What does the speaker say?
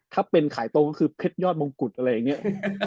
ถ้าเป็นขายตรงก็คือเพชรยอดมงกุฎอะไรอย่างนี้